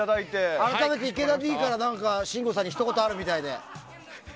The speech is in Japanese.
改めて、池田Ｄから何か信五さんにひと言あるみたいで。